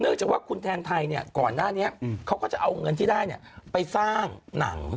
จากว่าคุณแทนไทยเนี่ยก่อนหน้านี้เขาก็จะเอาเงินที่ได้ไปสร้างหนัง